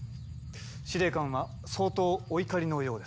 司令官は相当お怒りのようですな。